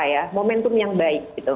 ini adalah satu momentum yang baik